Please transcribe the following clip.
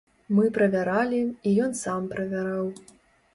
Мы правяралі, і ён сам правяраў.